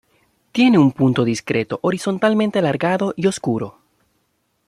Tiene un punto discreto horizontalmente alargado y oscuro.